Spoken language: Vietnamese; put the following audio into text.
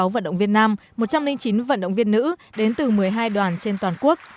sáu vận động viên nam một trăm linh chín vận động viên nữ đến từ một mươi hai đoàn trên toàn quốc